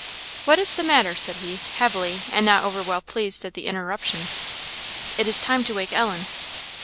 "What is the matter?" said he, heavily, and not over well pleased at the interruption. "It is time to wake Ellen."